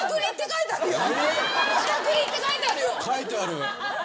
書いてある。